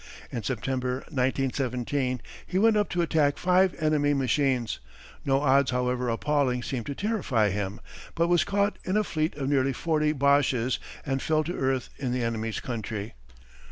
In September, 1917, he went up to attack five enemy machines no odds however appalling seemed to terrify him but was caught in a fleet of nearly forty Boches and fell to earth in the enemy's country.